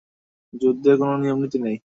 যুদ্ধে কোনো নিয়মনীতি নেই।